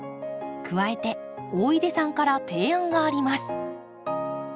加えて大出さんから提案があります。